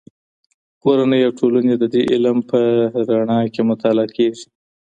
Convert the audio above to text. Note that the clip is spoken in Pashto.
کورنۍ او ټولنې د دې علم په رڼا کې مطالعه کېږي.